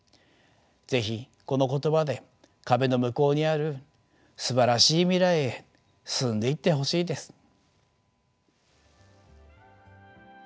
是非この言葉で壁の向こうにあるすばらしい未来へ進んでいってほしいです。